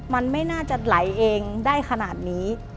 มันไม่น่าจะไหลเองได้ขนาดนี้